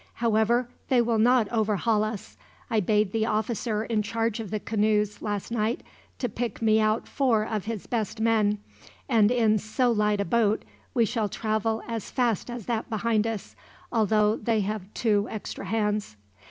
However, they will not overhaul us. I bade the officer in charge of the canoes last night to pick me out four of his best men, and in so light a boat we shall travel as fast as that behind us, although they have two extra hands."